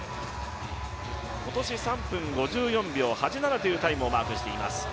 今年３分５４秒８７というタイムをマークしています。